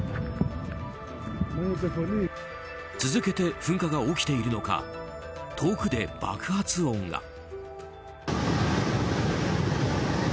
続けて噴火が起きているのか遠くで爆発音が。